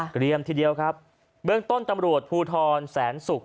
เรียมทีเดียวครับเบื้องต้นตำรวจภูทรแสนศุกร์